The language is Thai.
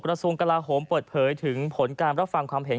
กระทรวงกลาโหมเปิดเผยถึงผลการรับฟังความเห็น